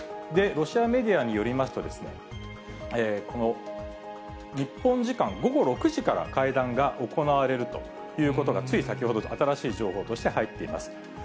ロシアメディアによりますとですね、この日本時間午後６時から会談が行われるということが、つい先ほど、新しい情報として入っています。